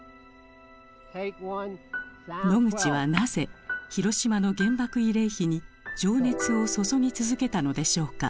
ノグチはなぜ広島の原爆慰霊碑に情熱を注ぎ続けたのでしょうか？